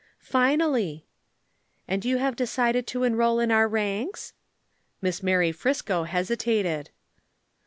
"Finally." "And you have decided to enroll in our ranks?" Miss Mary Friscoe hesitated.